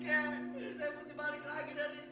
bukan dikasih pendapat malah diobelin